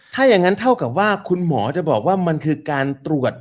ถ้าอย่างนั้นเท่ากับว่าคุณหมอจะบอกว่ามันคือการตรวจ